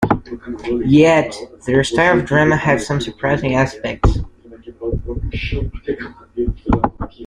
Yet their style of drama had some surprising aspects.